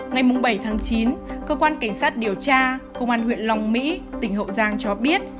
ngày bảy chín cơ quan cảnh sát điều tra công an huyện long mỹ tỉnh hậu giang cho biết